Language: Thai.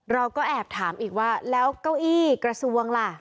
เราก็แอบถามอีกว่าแล้วเก้าอี้กระทรวงล่ะ